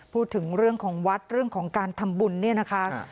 พูดถึงเรื่องของวัดเรื่องของการทำบุญเนี่ยนะคะ